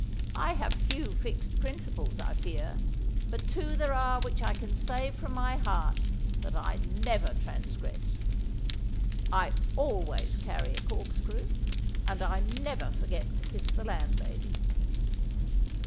I have few fixed principles, I fear, but two there are which I can say from my heart that I never transgress. I always carry a corkscrew, and I never forget to kiss the landlady.